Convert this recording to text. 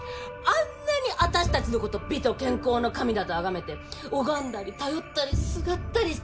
あんなに私たちの事美と健康の神だと崇めて拝んだり頼ったりすがったりしたくせに！